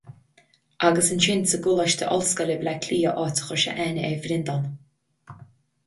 Agus ansin sa gColáiste Ollscoile, Baile Átha Cliath, áit ar chuir sé aithne ar Bhreandán.